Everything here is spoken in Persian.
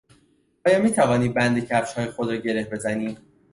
آیا میتوانی بند کفشهای خود را گره بزنی؟